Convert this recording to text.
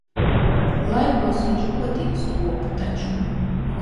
Laikos viņš gotiņas kopa taču.